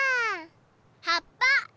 はっぱ！